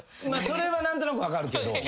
それは何となく分かるけど。